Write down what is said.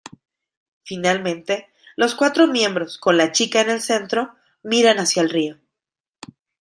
Finalmente los cuatro miembros, con la chica en el centro, miran hacia el río.